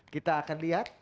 kita akan lihat